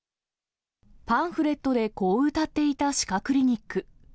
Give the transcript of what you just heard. パンプレットでこううたっていた歯科クリニック。